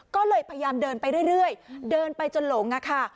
ก็เลยพยายามเดินไปเรื่อยเดินไปจนหลงอะค่ะ